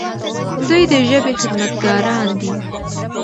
دوی د ژبې خدمتګاران دي.